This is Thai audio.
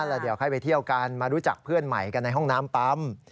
แล้วเดี๋ยวให้ไปเที่ยวกันมารู้จักเพื่อนใหม่กันในห้องน้ำปั๊ม